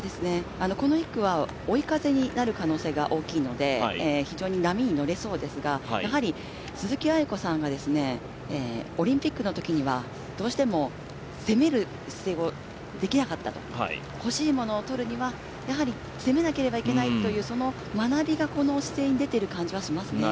この１区は追い風になる可能性が大きいので非常に波に乗れそうですが、鈴木亜由子さんがオリンピックのときにはどうしても攻める姿勢をできなかったと欲しいものをとるには、やはり攻めなければいけないという学びがこの姿勢に出ている感じがしますね。